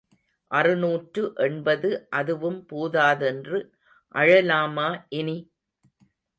அறுநூற்று எண்பது அதுவும் போதாதென்று அழலாமா இனி?